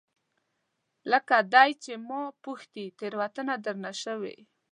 لکه دی چې ما پوښتي، تیروتنه درنه شوې؟